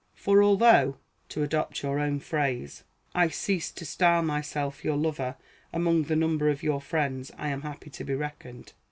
For although, to adopt your own phrase, I cease to style myself your lover, among the number of your friends I am happy to be reckoned.